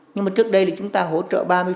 nhưng mà trước đây là chúng ta hỗ trợ